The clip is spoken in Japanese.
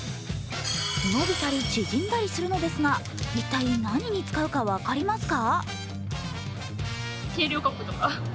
伸びたり縮んだりするのですが一体、何に使うか分かりますか？